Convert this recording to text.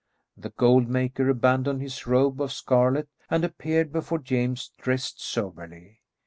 The gold maker abandoned his robe of scarlet and appeared before James dressed soberly.